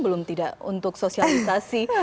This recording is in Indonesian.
belum tidak untuk sosialisasi